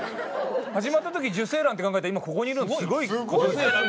始まった時受精卵って考えたら今ここにいるのすごい事ですね。